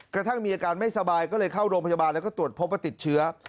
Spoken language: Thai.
กระทั่งมีอาการไม่สบายก็เลยเข้าโรงพยาบาลแล้วก็ตรวจพบว่าติดเชื้อ